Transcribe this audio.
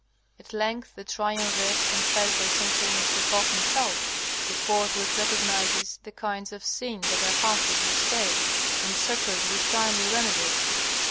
At length the triumvirs confess their sinfulness to Hoh himself, who forthwith recognizes the kinds of sins that are harmful to the State, and succors with timely remedies.